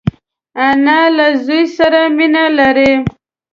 انا له زوی سره مینه لري